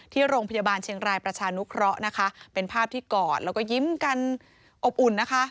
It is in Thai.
ที่โรงพยาบาลเชียงรายประชานุเคราะห์นะคะเป็นภาพที่กอดแล้วก็ยิ้มกันอบอุ่นนะคะ